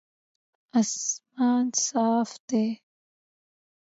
اسمان صاف دی